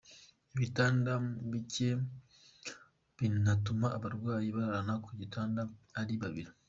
ibitanda bike binatuma abarwayi bararana ku gitanda ari babiri